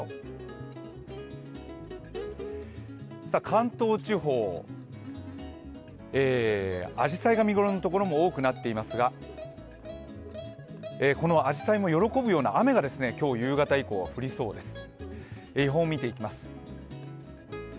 関東地方、あじさいが見頃の所も多くなっていますが、このあじさいも喜ぶような雨が今日夕方以降降りそうです。